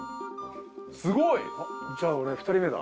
すごい！じゃあ俺２人目だ。